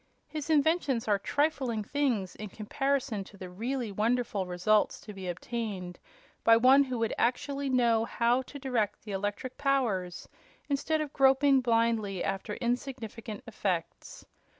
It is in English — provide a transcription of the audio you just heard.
His inventions are trifling things in comparison with the really wonderful results to be obtained by one who would actually know how to direct the electric powers instead of groping blindly after insignificant effects.